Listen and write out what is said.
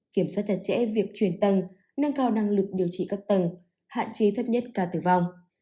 kiểm soát chặt chẽ việc truyền tầng nâng cao năng lực điều trị các tầng hạn chế thấp nhất ca tử vong